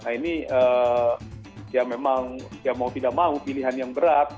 nah ini ya memang ya mau tidak mau pilihan yang berat